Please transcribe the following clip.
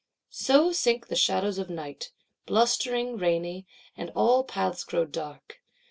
So sink the shadows of Night, blustering, rainy; and all paths grow dark.